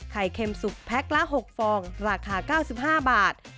เค็มสุกแพ็คละ๖ฟองราคา๙๕บาท